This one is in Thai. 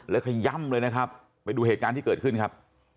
แล้วขย่ำเลยนะครับไปดูเหตุการณ์ที่เกิดขึ้นครับ